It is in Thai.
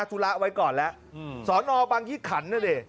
ธุระไว้ก่อนแล้วสอนอบางที่ขันน่ะเนี่ย